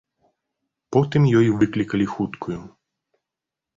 Потым ёй выклікалі хуткую.